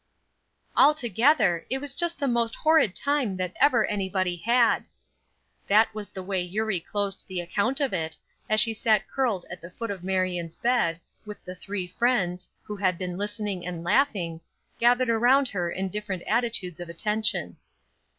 "Altogether, it was just the most horrid time that ever anybody had." That was the way Eurie closed the account of it, as she sat curled on the foot of Marion's bed, with the three friends, who had been listening and laughing, gathered around her in different attitudes of attention.